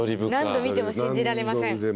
何度見ても信じられません。